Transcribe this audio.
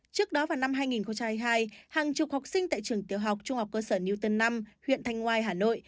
trước đó vào năm hai nghìn hai mươi hai hàng chục học sinh tại trường tiểu học trung học cơ sở new tân năm huyện thanh ngoài hà nội